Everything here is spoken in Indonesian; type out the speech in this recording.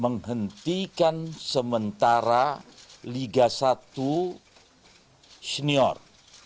menghentikan sementara liga satu senior